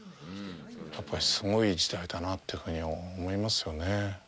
やっぱり、すごい時代だなというふうに思いますよね。